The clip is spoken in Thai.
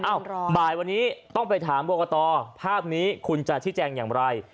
บ่ายวันนี้ต้องไปถามบรกตภาพนี้คุณจะชี้แจงอย่างไร